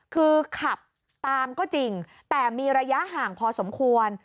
คือขับตามก็จริงแต่มีระยะห่างพอสมควร